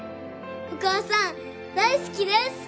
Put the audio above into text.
お母さん大好きです。